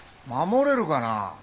守れるかな？